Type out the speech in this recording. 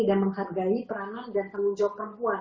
dan menghargai peranan dan tanggung jawab perempuan